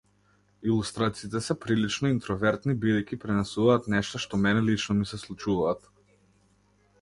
Илустрациите се прилично интровертни бидејќи пренесуваат нешта што мене лично ми се случуваат.